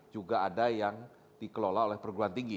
juga ada yang dikelola oleh perguruan tinggi